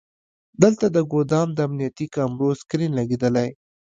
دلته د ګودام د امنیتي کامرو سکرین لګیدلی.